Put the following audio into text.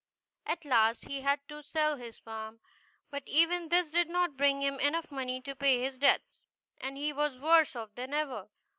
At last he had to sell his farm, but even this did not bring him in money enough to pay his debts, and he was worse off than ever.